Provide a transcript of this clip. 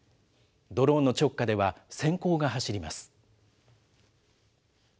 ドローンの直下では、せん光が走ります。